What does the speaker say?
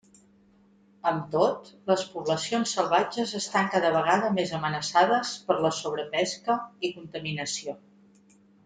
Amb tot, les poblacions salvatges estan cada vegada més amenaçades per la sobrepesca i contaminació.